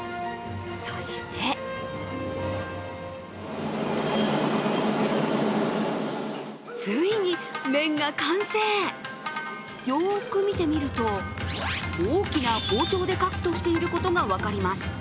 そしてついに麺が完成、よく見てみると、大きな包丁でカットしていることが分かります